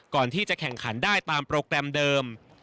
ก่อนที่จะแข่งขันได้ตามโปรแกรมเดิม